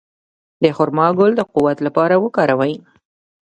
د خرما ګل د قوت لپاره وکاروئ